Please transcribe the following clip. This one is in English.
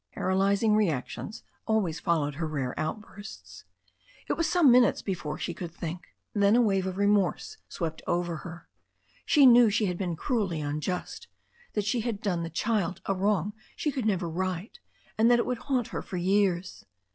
Paralyzing reactions always followed her rare outbursts. It was some minutes before she could think. Then a wave of remorse swept over her. She knew she had been cruelly unjust, that she had done the child a wrong she could never right, and that it would haunt her for years.